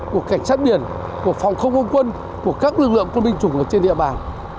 của cảnh sát biển của phòng không quân của các lực lượng quân binh chủng ở trên địa bàn